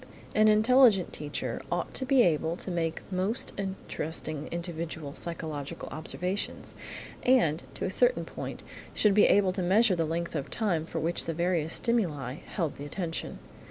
An intelligent teacher ought to be able to make most interesting individual psychological observations, and, to a certain point, should be able to measure the length of time for which the various stimuli held the attention.